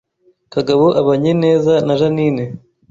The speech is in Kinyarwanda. Kagabo abanye neza na Jeaninne